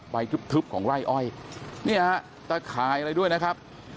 ทึบของไร่อ้อยเนี่ยฮะตะข่ายอะไรด้วยนะครับ